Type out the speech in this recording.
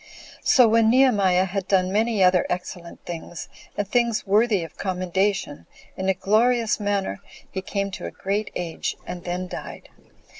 So when Nehemiah had done many other excellent things, and things worthy of commendation, in a glorious manner, he came to a great age, and then died.